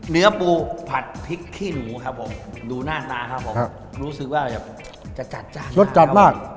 เนื้อปูผัดพริกขี้หนูครับผมดูหน้าตาครับผมรู้สึกว่าแบบจะจัดจ้านรสจัดมาก